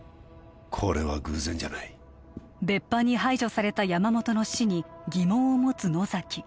これは偶然じゃない別班に排除された山本の死に疑問を持つ野崎